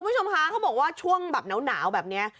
คุณผู้ชมคะเขาบอกว่าช่วงแบบหนาวแบบนี้